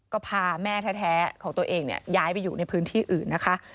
ก็พาแม่แท้ของตัวเองย้ายไปอยู่ในพื้นที่อื่นนะคะ